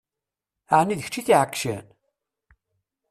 Ɛni d kečč i t-iɛeggcen?